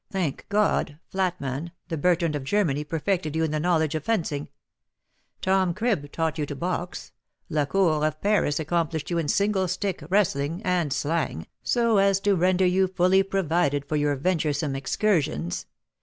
Thank God! Flatman, the Bertrand of Germany, perfected you in the knowledge of fencing; Tom Cribb taught you to box; Lacour, of Paris, accomplished you in single stick, wrestling, and slang, so as to render you fully provided for your venturesome excursions.